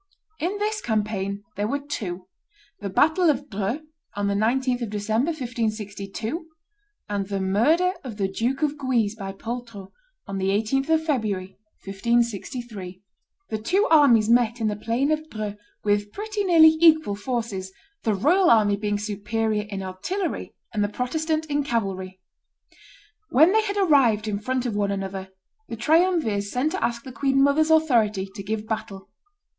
In this campaign there were two; the battle of Dreux, on the 19th of December, 1562; and the murder of the Duke of Guise by Poltrot, on the 18th of February, 1563. The two armies met in the plain of Dreux with pretty nearly equal forces, the royal army being superior in artillery and the Protestant in cavalry. When they had arrived in front of one another, the triumvirs sent to ask the queen mother's authority to give battle.